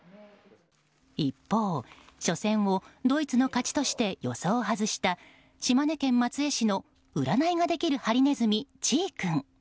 一方、初戦をドイツの勝ちとして予想を外した島根県松江市の占いができるハリネズミ、ちぃ君。